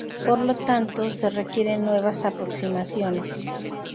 Por lo tanto, se requieren nuevas aproximaciones.